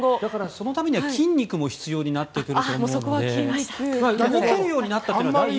そのためには筋肉も必要になってくると思うので動けるようになったのは第一歩ですね。